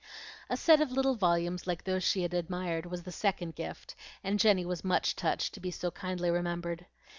A set of little volumes like those she had admired was the second gift, and Jenny was much touched to be so kindly remembered.